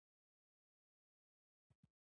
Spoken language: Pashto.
د افغانستان جلکو د افغانانو د ژوند طرز اغېزمنوي.